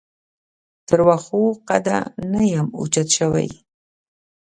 تر واښو قده نه یم اوچت شوی.